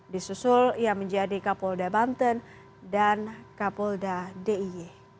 disusul yang menjadi kapolda banten dan kapolda diy